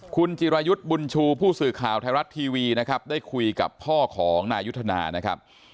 คุณจิรายุทธ์บุญชูผู้สื่อข่าวไทยรัฐทีวีนะครับได้คุยกับพ่อของนายยุทธนานะครับ